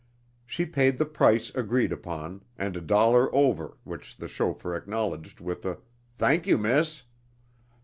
She paid the price agreed upon, and a dollar over, which the chauffeur acknowledged with a "Thank you, miss!"